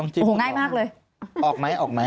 ใช่